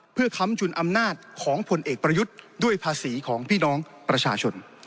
เพื่อค้ำจุนอำนาจของผลเอกประยุทธ์ด้วยภาษีของพี่น้องประชาชน